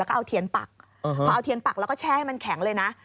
แล้วก็เอาเทียนปักพอเอาเทียนปักแล้วก็แช่ให้มันแข็งเลยนะ